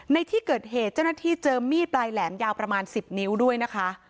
ในที่เกิดเหตุเจ้าหน้าที่เจอมีดปลายแหลมยาวประมาณ๑๐นิ้วด้วยนะคะ